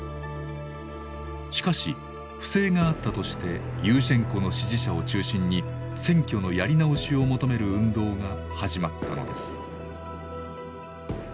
しかし不正があったとしてユーシェンコの支持者を中心に選挙のやり直しを求める運動が始まったのです。